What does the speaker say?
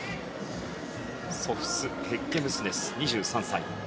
ソフス・ヘッゲムスネス２３歳。